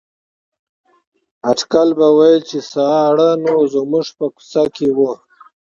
اټکل به ویل چې ساړه نو زموږ په کوڅه کې وو.